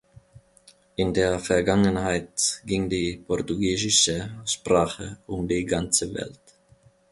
In der Vergangenheit ging die portugiesische Sprache um die ganze Welt.